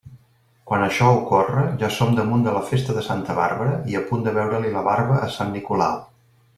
Quan això ocorre, ja som damunt de la festa de Santa Bàrbara i a punt de veure-li la barba a sant Nicolau.